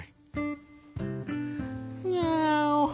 「ニャオ。